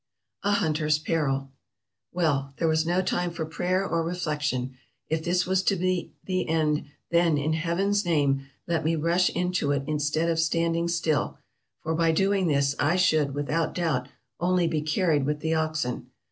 A Hunter's Peril "Well, there was no time for prayer or reflection; if this was to be the end, then, in Heaven's name, let me rush into it in stead of standing still, for by doing this I should, without doubt, only be carried with the oxen.